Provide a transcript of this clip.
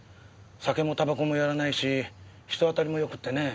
酒もタバコもやらないし人当たりも良くってね。